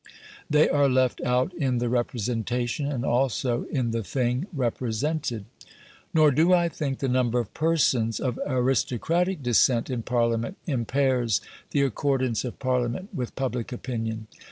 They are left out in the representation, and also in the thing represented. Nor do I think the number of persons of aristocratic descent in Parliament impairs the accordance of Parliament with public opinion.